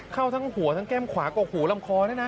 เข้าทั้งหัวทั้งแก้มขวากับหูลำคอด้วยนะ